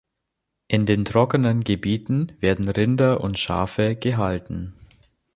In den trockeneren Gebieten werden Rinder und Schafe gehalten.